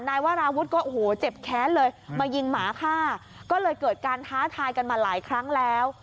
นายวราวุฒิก็โอ้โหเจ็บแค้นเลยมายิงหมาฆ่าก็เลยเกิดการท้าทายกันมาหลายครั้งแล้ว